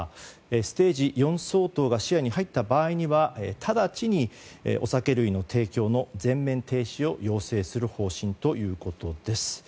ステージ４相当が視野に入った場合には直ちにお酒類の提供の全面停止を要請する方針ということです。